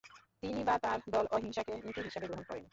তিনি বা তার দল অহিংসাকে নীতি হিসাবে গ্রহণ করেনি।